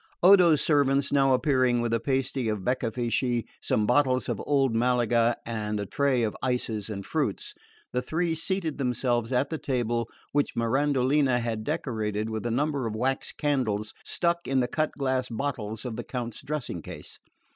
Odo's servants now appearing with a pasty of beccafichi, some bottles of old Malaga and a tray of ices and fruits, the three seated themselves at the table, which Mirandolina had decorated with a number of wax candles stuck in the cut glass bottles of the Count's dressing case.